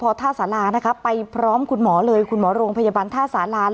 พอท่าสารานะคะไปพร้อมคุณหมอเลยคุณหมอโรงพยาบาลท่าสารา